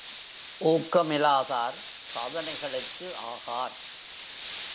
ஊக்கமிலாதார் சாதனைகளுக்கு ஆகார்.